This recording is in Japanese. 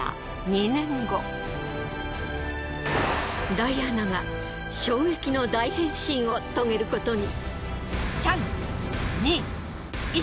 ダイアナが衝撃の大変身を遂げることに。